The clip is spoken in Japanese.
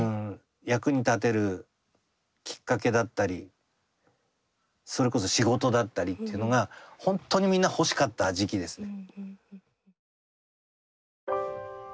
役に立てるきっかけだったりそれこそ仕事だったりっていうのがほんとにみんな欲しかった時期ですね。